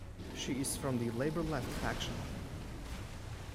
She is from the Labor Left faction.